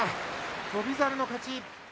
翔猿の勝ち。